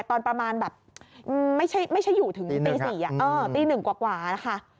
ตอนประมาณแบบไม่ใช่อยู่ถึงตี๔ตี๑กว่านะคะ